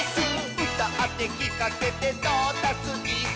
「うたってきかせてトータスイス！」